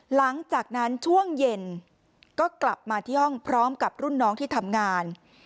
หลังจากนั้นช่วงเย็นก็กลับมาที่ห้องพร้อมกับรุ่นน้องที่ทำงาน